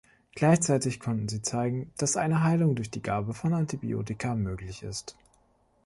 Gleichzeitig konnten sie zeigen, dass eine Heilung durch die Gabe von Antibiotika möglich ist.